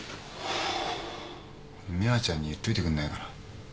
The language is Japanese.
美羽ちゃんに言っといてくんないかな？